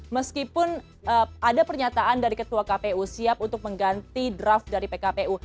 meskipun ada pernyataan dari ketua kpu siap untuk mengganti draft dari pkpu